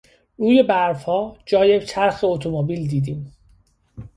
روی برفها جای چرخ اتومبیل دیدیم.